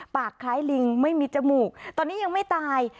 คล้ายลิงไม่มีจมูกตอนนี้ยังไม่ตาย